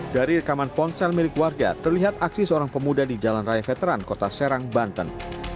dari rekaman ponsel milik warga terlihat aksi seorang pemuda di jalan raya veteran kota serang banten